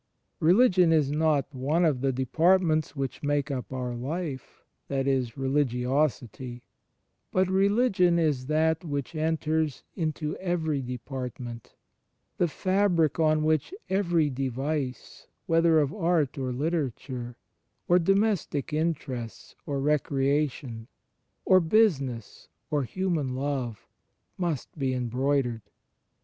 Religion is not one of the departments which make up our life — (that is Religiosity) — but Religion is that which enters into every department, the fabric on which every device, whether of art or literature, or domestic interests, or recreation, or business, or human love, must be embroidered.